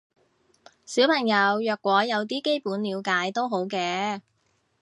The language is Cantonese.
小朋友若果有啲基本了解都好嘅